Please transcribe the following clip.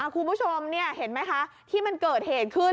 คุณผู้ชมเห็นไหมคะที่มันเกิดเหตุขึ้น